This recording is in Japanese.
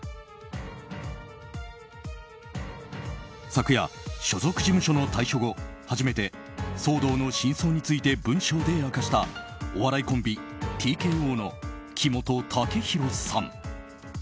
昨夜、所属事務所の退所後初めて騒動の真相について文章で明かしたお笑いコンビＴＫＯの木本武宏さん。